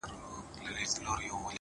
څنگه دي هېره كړمه”